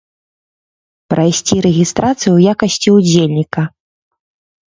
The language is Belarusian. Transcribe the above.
Прайсці рэгістрацыю ў якасці ўдзельніка.